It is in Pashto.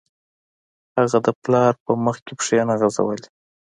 هغه د پلار په مخکې پښې نه غځولې